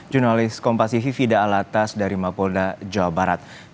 jurnalis kompasifida alatas dari mapolda jawa barat